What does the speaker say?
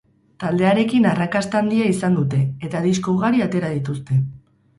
Taldearekin arrakasta handia izan dute eta disko ugari atera dituzte.